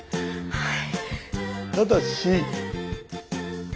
はい。